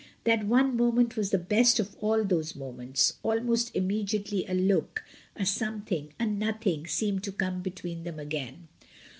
That one moment was the best of all those moments; al most immediately a look, a something, a nothing, seemed to come between them again.